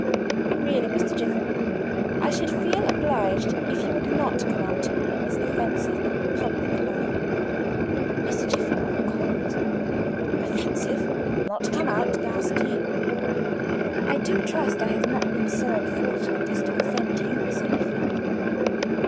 "Really, Mr. Jiffin, I should feel obliged if you would not come out to me in this offensive and public manner." Mr. Jiffin grew cold. "Offensive! Not come out?" gasped he. "I do trust I have not been so unfortunate as to offend you, Miss Afy!"